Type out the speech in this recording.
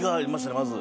まず。